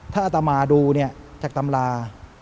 ถ้าอัตมาดูเนี่ยจากตำรา